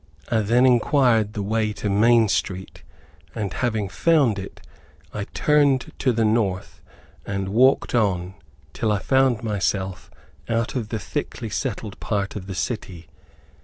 I then inquired the way to Main street, and having found it, I turned to the north and walked on till I found myself out of the thickly settled part of the city.